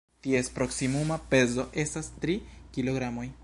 Ties proksimuma pezo estas tri kilogramoj.